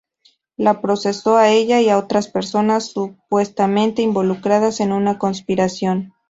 La procesó a ella y a otras personas, supuestamente involucradas en una conspiración.